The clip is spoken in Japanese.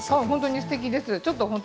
すてきです。